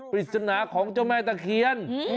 ปริศนาของเจ้าแม่ตะเคียน